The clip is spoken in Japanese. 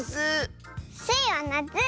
スイはなつ！